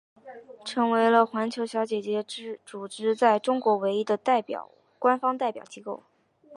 成为了环球小姐组织在中国唯一的官方代表机构。